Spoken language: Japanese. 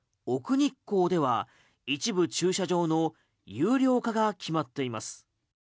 日光では一部駐車場の有料化が決まっています。